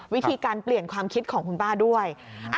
วิธีการเปลี่ยนความคิดของคุณป้าด้วย